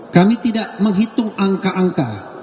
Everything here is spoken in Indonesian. kami tidak menghitung angka angka